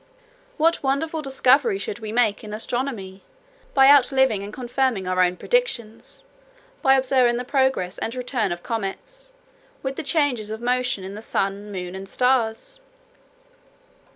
"What wonderful discoveries should we make in astronomy, by outliving and confirming our own predictions; by observing the progress and return of comets, with the changes of motion in the sun, moon, and stars!"